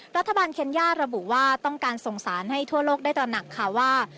รัฐบาลเคนย่าระบุว่าต้องการส่งสารให้ทั่วโลกได้ตระหนักค่ะว่า